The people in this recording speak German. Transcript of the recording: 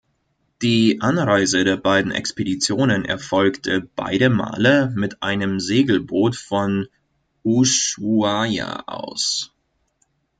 Die Anreise der beiden Expeditionen erfolgte beide Male mit einem Segelboot von Ushuaia aus.